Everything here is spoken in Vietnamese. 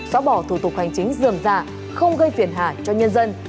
xóa bỏ thủ tục hành chính dườm dạ không gây phiền hại cho nhân dân